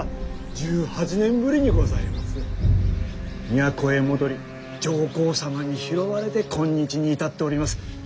都へ戻り上皇様に拾われて今日に至っております。